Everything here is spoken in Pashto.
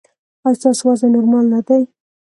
ایا ستاسو وزن نورمال نه دی؟